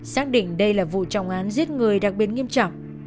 xác định đây là vụ trọng án giết người đặc biệt nghiêm trọng